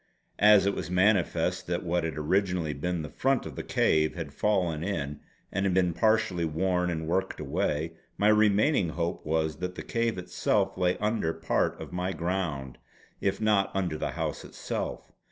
As it was manifest that what had originally been the front of the cave had fallen in and been partly worn and worked away, my remaining hope was that the cave itself lay under part of my ground if not under the house itself.